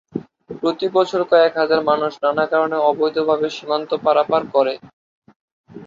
প্রতি বছর কয়েক হাজার মানুষ নানা কারণে অবৈধভাবে সীমান্ত পারাপার করে।